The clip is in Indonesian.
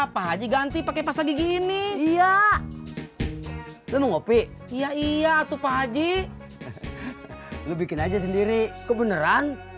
pak haji ganti pakai pasal gigi ini iya lo ngopi iya iya tuh pak haji lo bikin aja sendiri kebenaran